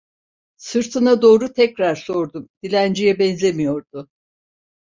Sırtına doğru tekrar sordum: Dilenciye benzemiyordu!